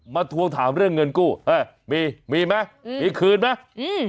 ทวงถามเรื่องเงินกู้เออมีมีไหมอืมมีคืนไหมอืม